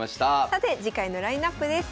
さて次回のラインナップです。